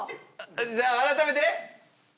じゃあ改めて？